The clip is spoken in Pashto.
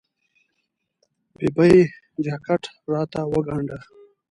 ببۍ! جاکټ راته وګنډه.